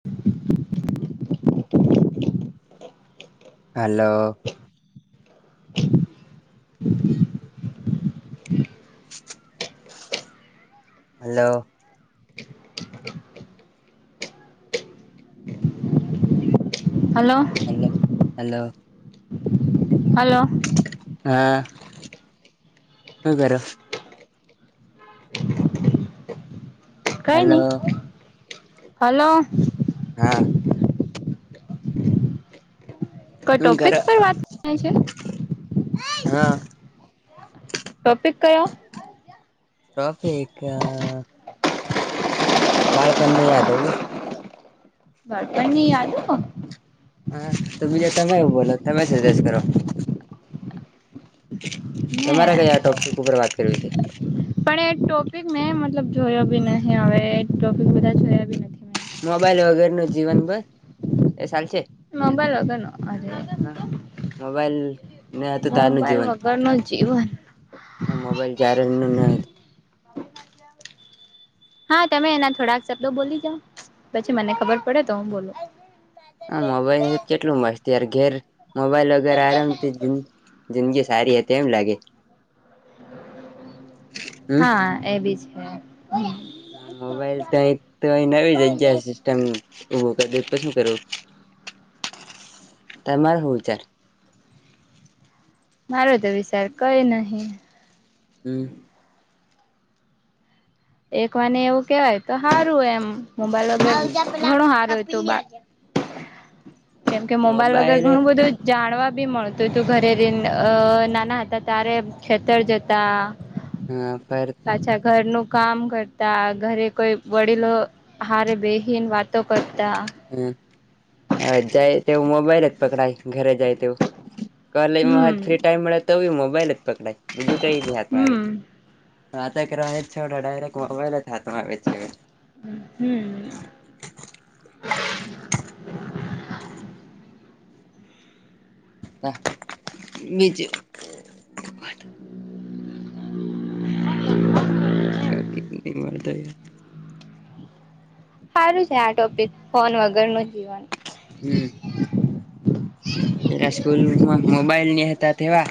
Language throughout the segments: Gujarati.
[inaudible] હાલો. હાલો. હાલો. હાલો. હાલો. હા શું કરો. કઈ હલો નહી હલો. હા. કોઈ શું ટોપિક કરો પર વાત કરાય છે. હા ટોપિક કયો. ટોપીક અ. બાળપન ની યાદો બસ. બાળપન ની યાદો. હા તો બીજા તમે એવું બોલો તમે સજેસ્ટ કરો. તમારા મેં કઈ આ ટોપિક ઉપર વાત કરવી છે. પણ એ ટોપિક ને મતલબ જોયો ભી નહ હવે એ ટોપિક બધા જોયા બી નથી. મેં મોબાઈલ વગેર નું જીવન બસ એ ચાલ છે. મબાઈલ વગરનુ અરે. મોબાઈલ ન હતું મોબાઈલ વગર નુ જીવન. હ મોબાઈલ જારે નું ન હતું. હા તમે એના થોડાક શબ્દો બોલી જાાવ પછી મને ખબર પડે તો હું બોલો. હ મોબાઈલ તો કેટલું મસ્તયાર ઘેર મોબાઈલ વગેરે આરામથી જ. જિંદગી સારી હતી એમ લાગે. હમ હા એ બી છે. હ મોબાઈલ તો અહી તો અહી નવી જગ્યા છે. તેમું દ તો શું કરવું તમારે હું વિચાર. મારો તો વિચાર કઈ નહી. હમ. એક વાને એવું કેવાય તો સારું એમ મોબાઈલ ઘણું સારુંય તું. કેમ કે મોબાઈલ વગર ઘણું બધું. જાણવા બી મળતું હતું ઘરે ર અ નાના હતા ત્યારે. ખેતર જતા. હા પર. પાછા ઘરનું કામ કરતા ઘરે કોઈ વડીલો. હારે બેહીન વાતો કરતા. હમ હ જાય તેવું મોબાઈલ જ પકડાય ઘરે જાય તેવું. કલે હમ હ ફ્રી ટાઈમ મળે તો મોબાઈલ જ પકડાય બીજું કઈ ર હાથમાં આવે. હમ હા ત એક રહે છેવ ડાયરેક્ટ મોબાઈલ જ હામાં આવે છે. હ હમ. બીજું. પ ન મળરતા યાર. સારું છે આ ટોપિક ફોન વગર નું જીવન. હમ. એના સ્કૂલમાં મોબાઈલ નહ હતા તેવા.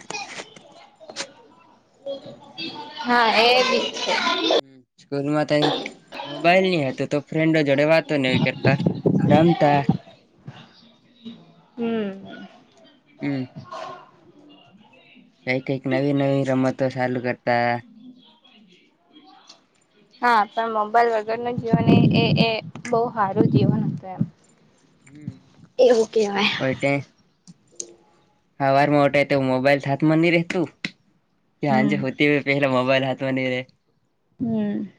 હા એ બી છે. સ્કૂલ માં થઈ. મોબાઈલ નહ હતું તો ફ્રેન્ડો જોડે વાતો નહ કરતા રમતા. હમ હમ. કઈ કઈક નવી નવી રમતો ચાલુ કરતા. હા પણ મોબાઈલ વગર ન જીવન એ એ એ બહુ સારું જીવન હતું એમ. હમ કટે. હા વારમાં મોટ તો મોબાઈલ હાથમાં નહી રેતું. કે હા જે હમ હોતે હોય પહેલા મોબાઈલ હાથમાં નહી રહેે. હમ.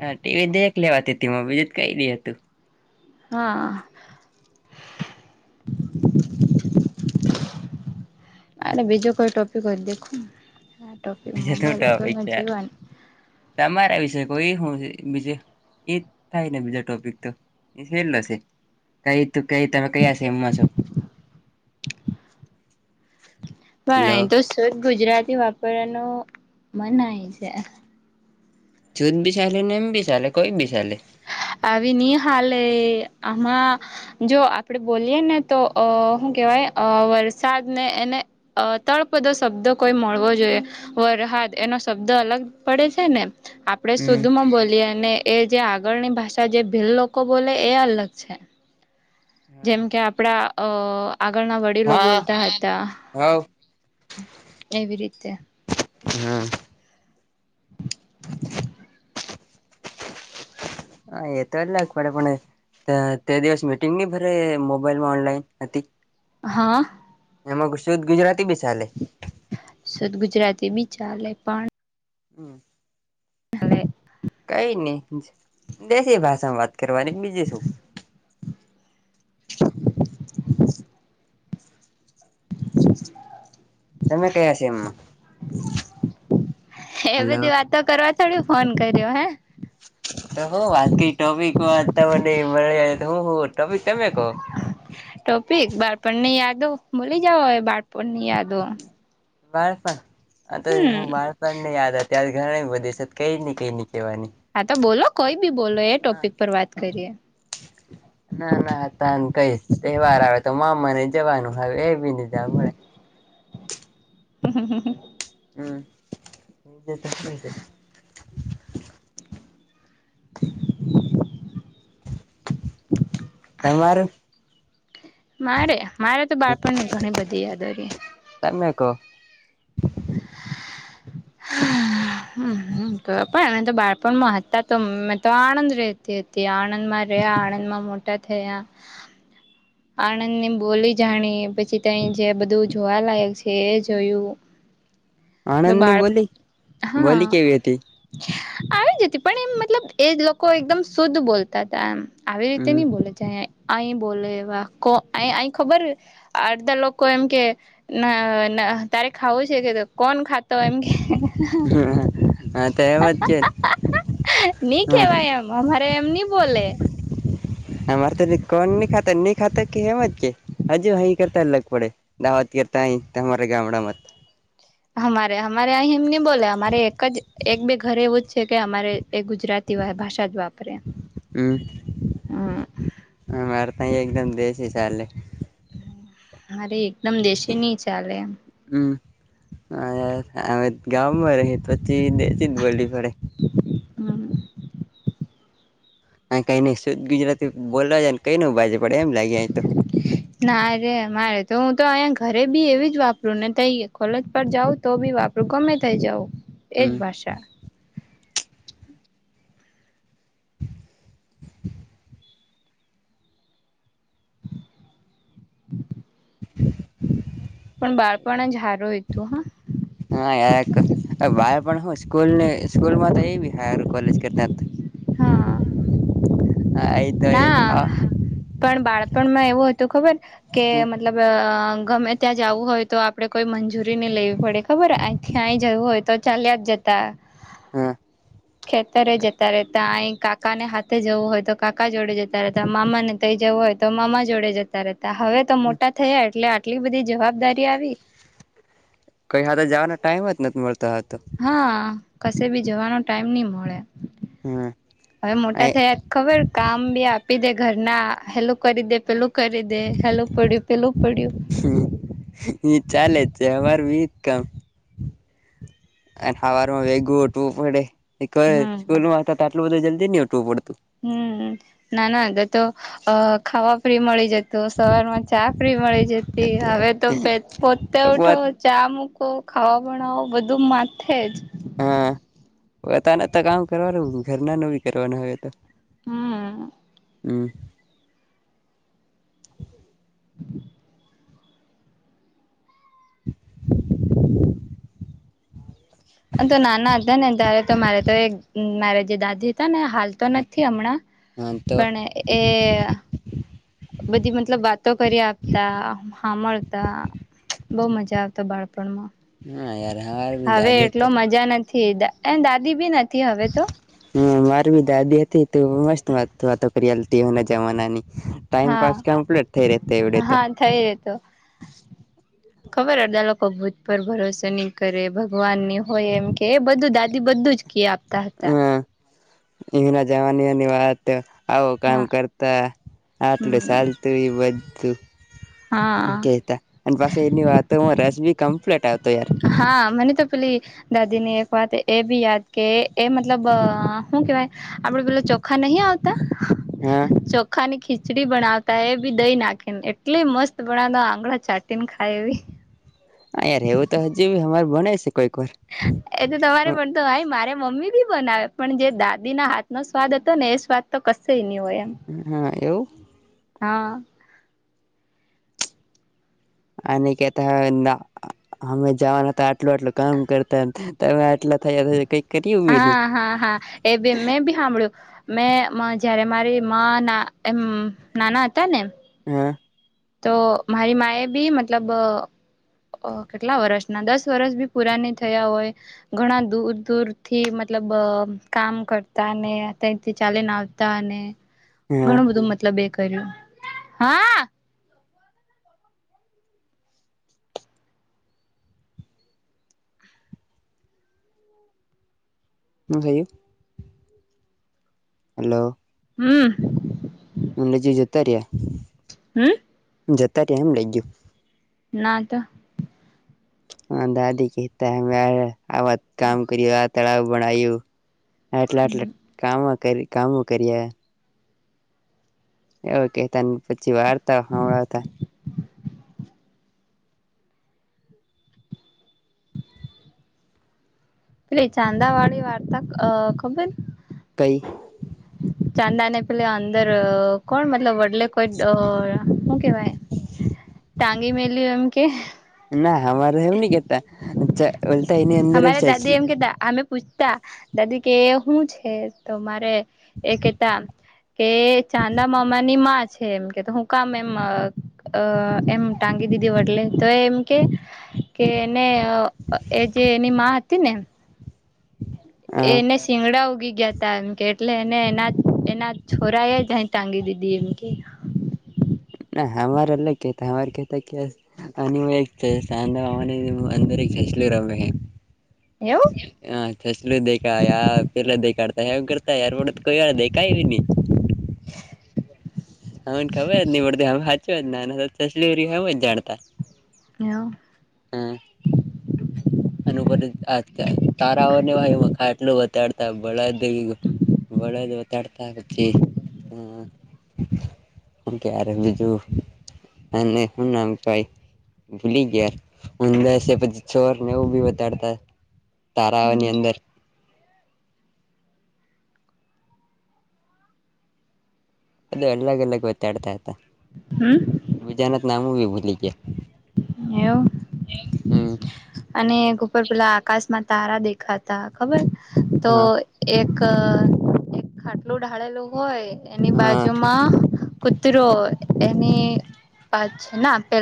હા ટીવી દેખ લેવાતી હતીમાં બીજું જ કઈ દી હતું. હા. અરે બીજો કોઈ ટોપિક હોય દેખ. ટોપી બીજા તો મોબાઈલ ટોપિક વગરના છે જીવન તમારા વિશે કોઈ શું બીજે એ થાય ને બીજા ટોપિક તો એ છેર લશે. કઈ તું કઈ તમે કયા સેમમાં છો? હેલો બરા તો તો એક ગુજરાતી વાપરવાનું મનય છે. જૂદ બી ચાલે ને એમ બી ચાલે કોઈ બી ચાલે. આવી ની હાલે આમાં. જો આપડે બોલીએ ને તો અ શું કેવાય અ વરસાદને એને. અ તળપદો શબ્દ કોઈ મળવો જોઈએ. વરહદ એનો શબ્દ અલગ પડે છે ને. અપ આપણે હમ શુદ્ધ માં બોલીએ અને એ જે આગળની ભાષા જે ભીલ લોકો બોલે એ અલગ છે. જેમ કે આપડા અ આગળના વડીલો હા બોલતા હતા. હવ એવી રીતે. હમ. હ એ તો એ લ પડા પણણ. તે દિવસ મીટિંગ નની ભરે મોબાઈલમાં ઓનલાઈન હતી. હા. એમાં શુદ્ધ ગુજરાતી બી ચાલે. સુદ ગુજરાતી બી ચાલે પણ. હમ. હલે. કઈ નહી દેશી ભાષા માં વાત કરવાની બીજી શું. તમે કયા છે એમમાં અ. એ હેલો બધી વાતો કરવા. તડ ફોન કર્યો હે. તો હો વાત કઈ ટોપિક વાત તમને મળી તો હું હો ટોપિક તમે કહો. ટોપિક બાળપણ ની યાદો ભલી જઓય બાળપણ ની યાદો. બાળપણ આત હમ હું બાળ પણ ને યાદ અત્યારે ઘણી બધી છે કઈ ને કઈ ની કેવાની. હા તો બોલો કોઈ બી બોલો એ હા ટોપિક પર વાત કરીએ. ના ના તાન કઈ તહેવાર આવે તો મામાને જવાનું હવે એ બી નય જાવા મળે. હમ્મ, [inaudible] તમારે? મારે, મારે તો બાળપણની ઘણી બધી યાદ હતી. તનમેકો. હમ્મ, તો પણ અમેં તો બાળપણમાં હતા તો મેં તો આણંદ રેહતી હતી આણંદમાં રયા આણંદમાં મોટા થયા. આણંદની બોલી જાણી પછી તય જે બધું જોવા લાયક છે એ જોયું. તો આણંદની બાળ બોલી, બોલી હા કેવી હતી? આવી જ હતી. પણ એમ મતલબ એ લોકો એકદમ શુદ્ધ બોલતા તા એમ. આવી રીતે હમ નઈ બોલે જાય અય બોલે એવા કો અય અય ખબર અડધા લોકો એમ કે ન ન તારે ખાવું છે કે તો કોન ખા તો એમ કે. હા તો એમ જ છે ની હા કેવાય એમ અમારે એમ ની બોલે. અમારે તો ની કોન ની ખાતે ની ખાતે કે એમજ કે હજુ અહી કરતા અલગ પડે દાવત કરતા અહી તમારા ગામડામાં. હમારે હમારે અહીં એમ ની બોલે અમારે એક જ એક બે ઘરે એવું જ છે કે અમારે એ ગુજરાતી ભાષા જ વાપરે હમ. હ મારે તહી એકદમ દેશી ચાલે. મારે એકદમ દેશી નહ ચાલે એમ. હમ ગામમાં રહી પછી દે જ બોલી પડે. હમ્મ કઈ નઈ શુ્ધ ગુજરાતી બોલવા જ ને કઈ ન બાજે પડે એમ લાગે તો. ના ર મારે તો હું તો અહીંયા ઘરે બી એવી જ વાપરું ને ત કોલેજ પર જાઉં તો બી વાપર. રુકમે થઇ જાાવ એજ હમ ભાષા. પણ બાળપણ જ હારું હતું હ હાય બાર પણ હ સ્કૂલ સ્કૂલમાં તો એવી હ કોલેજ કરતા. હા. આ તો એ ના હા પણ બાળપણમાં એવું હતું ખબર. કે હમ મતલબ ગમે ત્યાં જવું હોય તો આપડે કોઈ મંજૂરી નહી લેવી પડે. ખબર આખ્યાય જવું હોય તો ચાલ્યા જ જતા. હા ખેતરે જતા રહે ત અ કાકા ને હાથે જવું હોય તો કાક કાકા જોડે જતા રહેતા મામા ને તઈ જવું હોય તો મામા જોડે જતા રહેતા હવે તો મોટા થયા એટલે. કેટલી બધી જવાબદારી આવી. કઈ હા જવાનો ટાઈમ જ નથી મળતો તો. હા કશે બી જવાનો ટાઈમ નહી મળે હમ હવે મોટા થયા. ખબર કામ બી આપી દે ઘરના હેલું કરી દે પેલું. કરી દે હેલું પડ્યું પેલું પડ્યું. શું. હ ચાલે છેર વિ કામ. હવારમાં વેગુ ઉઠવું પડે [inaudible] હમ સ્કૂલમાં હુતા તો આટલું બધું જલ્દી નહી ઉઠવું પડતું. હમ્મ નાના હતા તો અ ખાવા ફ્રી મળી જત- તો સવારમાં ચા ફ્રી મળી જતી હવે પે તો પોતે ઉઠો. ચા મૂકો ખાવા બનાવો બધું માથે જ. હા બધાનું તો કામ કરવાનું ઘરના નું બી કરવાનું હવે તો. હમ્મ. હમ્મ તો નાના હતા ને ત્યારે તો મારે તો એક મારે જે દાદી હતા ને હાલ. તો નથી હમણાં હા તો પણ એ. બધી મતલબ વાતો કરી આપતા હામળતા. [inaudible] બઉ મજા આવતો બાળપણમાં. હા યાર હા. હવે એટલો મજા નથી એ દાદી બી નથી હવે તો. હ મારી બી દાદી હતી તો મસ્ત વાતો વાતો કરી આલતી એના જમાનાની. હા ટાઈમપસ કમ્પ્લીટ થઈ રતે એવડે તો. હા થઈ રેતો હ. ખબર અડદા લોકો ભૂત પર ભરોસો નહી કરે ભગવાન ની હોય એમ કે એ બધું દાદી બધું જ કી આપતા હતા. ઈ વી નાજવાનીની વાત તો આવો કામ હા કરતા આટલું હમ સાલતું ઇ બધું. હા કેતા અને પાસો એની વાત રસ બી કમ્પ્લીટ આવતો યાર હા મને તો પેલી દાદી ની એક વાત એ બી યાદ કે એ મતલબ હુ કેવાય આપડ પે ચપ ચોખા નહી આવતા હા ચોક્ ખાલી ખીચડી બનાવતા એ બી દઈ નાખીને એટલી મસ્ત બનાતા આંગળ ચાટ ટેને ખાય. એવી હા યાર એવું તો હજુ અમાર ભણે છે કોઈક વાર એ તો તમારે પણ તો ભાઈ મારે મમ્મી બી બનાવે પણ જે દાદી ના હાથ નો સ્વાદ હતો ને એ સ્વાદ તો કસુ એની વયમ હા એવું. હા. અને કેતા અમે જવાના હતા આટલું આટલું કામ કરતા. તમે આટલા થયા થયા કઈક કરી એનહી હા હા હા એ બે મેં બી સાંભળ્યું મેં જયારે મારી માં એમ નાના હતા ને હા. તો મારી માએ ભી મતલબ કેટલા વર્ષના દસ વરષ બી પુરા ન થયા હોય. ઘણા દૂર દૂર થી મતલબ કામ કરતા ને તથી ચાલીને આવતા તા ને હા ઘણું બધું મતલબ એ કર્યું હા હુ થયુ. હલો. હમ. મલે જી જતા રહ્યા. હમ. જતા ત્યા એમ લઈ ગયું. ના તો. હા દાદી કેતા અ આ વાત કામ કર્યું, આ તળાવ બણય્યું એટલા આટલે કામો કરી કામો કરીએ. એવ કેતા ને પછી વાર્તા સાળાવતા પે ચાંદા વાળી વાર્તા અ ખબર કઈ. ચાંદા ને પેલે અંદર કોણ મતલબ વડલે કોઈ ડ શું કેવાય ટાંગી મેલી એમ કે ના અમારે એવું નહી કેતા ચ બોલતા એની અંદર એક અમારે [unintelligible] દાદી એમ કેતા આલ પૂછતા દાદી કે હું છે તો મારે એ કેતા કે ચાંદા મામાની માં છે એમ કે હું કામ એમ અ એમ ટાંગી દીધી વટલે તો એમ કે કે એને એ જે એની હતી ને એને સિંગડા ઉગી ગયા. તા એમ કે એટલે એને એના એના છોરા એ જય ટાંગી દીધી એમ કે ના અમારે અલગ કેતા અમાર કેતા કે બસ અને હું એક સાંદવા અંદર એક સસલું રમે હ એમ એવું. હા થ સસલુ દેખાય પેલા દેખાડતા હવ કરતા યાર પડત કોઈ વાળ દેખાય એવી ની. [inaudible] હમને ખબર જ નહી પડતી હ સાચ્યોલી હું જ જાણતા. એવ. હમ. એ ઉપ તારાઓને ભ મખા એટલું બડતા બળદ. વળેદ ઓતાડતાક છે હ. હું ક્યારે બીજું અને શું નામા કાઈ. ભૂલી ગયા યાર ઊંદર છે પછી છોર ને એવું બી બતાડતા. તારાઓ ની એવું અંદર. અ એલાગેલાગ ગોતડતા આતા. હમ. બજાાનત નામુ ભૂલી ગયા. એવું હમ અને એક ઉપર પેલા આકાશમાં તારા દેખા ખબર તો હા એક ખાટલું ઢાળેલું હોય. એની હા બાજુમાં કૂતરો એની પાત છે ના પેલા